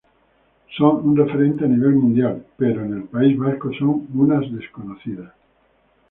Son un referente a nivel mundial, pero en el Pais Vasco son unas desconocidas.